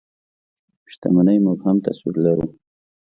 شتمنۍ مبهم تصوير لرو.